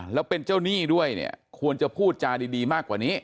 แล้วเป็นเจ้าหนี้ด้วยเนี่ยควรจะพูดจาดีมากกว่านี้